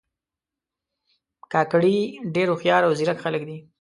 کاکړي ډېر هوښیار او زیرک خلک دي.